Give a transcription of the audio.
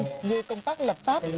như công tác lập pháp